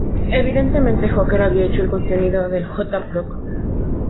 Evidentemente Hooker había hecho el contenido del J. Proc.